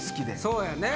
そうやね。